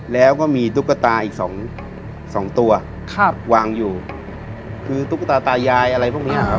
แล้วก็มีตุ๊กตาอีกสองสองตัวครับวางอยู่คือตุ๊กตาตายายอะไรพวกเนี้ยครับ